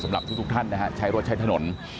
สำหรับทุกท่านนะฮะใช้รถใช้ถนน